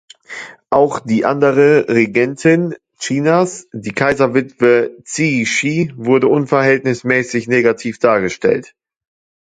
Auch die andere Regentin Chinas, die Kaiserwitwe Cixi wurde unverhältnismäßig negativ dargestellt.